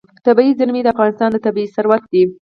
طبیعي زیرمې د افغانستان طبعي ثروت دی.